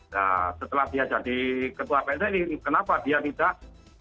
nah setelah dia jadi ketua psi kenapa dia tidak